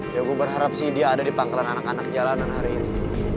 ya gue berharap sih dia ada di pangkalan anak anak jalanan hari ini